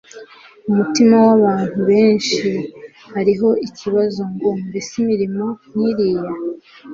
Ku mutima w'abantu benshi hariho iki kibazo ngo: Mbese imirimo nk'iriya,